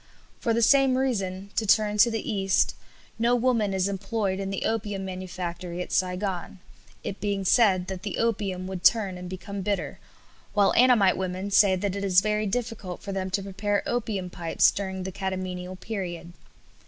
For the same reason to turn to the East no woman is employed in the opium manufactory at Saigon, it being said that the opium would turn and become bitter, while Annamite women say that it is very difficult for them to prepare opium pipes during the catamenial period.